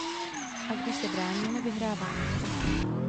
A když se bráníme, vyhráváme.